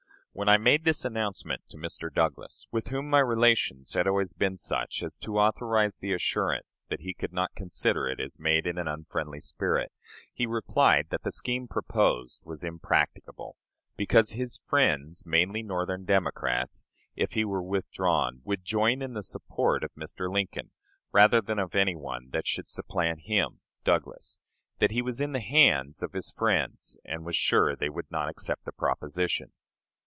When I made this announcement to Mr. Douglas with whom my relations had always been such as to authorize the assurance that he could not consider it as made in an unfriendly spirit he replied that the scheme proposed was impracticable, because his friends, mainly Northern Democrats, if he were withdrawn, would join in the support of Mr. Lincoln, rather than of any one that should supplant him (Douglas); that he was in the hands of his friends, and was sure they would not accept the proposition.